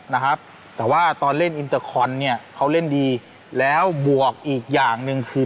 นะครับแต่ว่าตอนเล่นอินเตอร์คอนเนี่ยเขาเล่นดีแล้วบวกอีกอย่างหนึ่งคือ